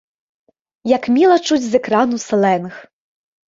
Як міла чуць з экрану слэнг!